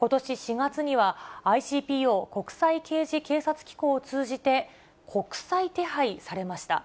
ことし４月にはＩＣＰＯ・国際刑事警察機構を通じて、国際手配されました。